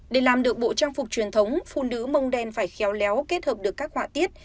để làm được bộ trang phục truyền thống phụ nữ mông đen phải khéo léo kết hợp được các họa tiết